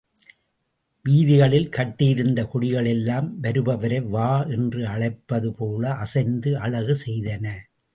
வீதிகளில் கட்டியிருந்த கொடிகள் எல்லாம் வருபவரை வா என்று அழைப்பது போல அசைந்து அழகு செய்தன.